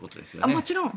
もちろん。